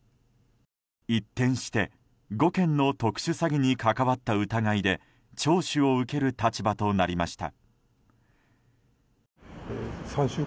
一転して５件の特殊詐欺に関わった疑いで聴取を受ける立場となりました。